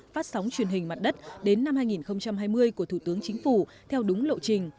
phát sóng truyền hình mặt đất đến năm hai nghìn hai mươi của thủ tướng chính phủ theo đúng lộ trình